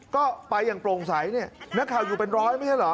ก็ไปอย่างโปร่งใสเนี่ยนักข่าวอยู่เป็นร้อยไม่ใช่เหรอ